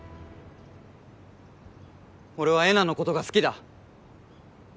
俺はえなのことが好きだ。